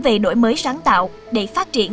về đổi mới sáng tạo để phát triển